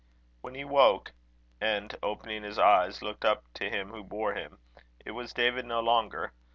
When he woke, and, opening his eyes, looked up to him who bore him, it was David no longer.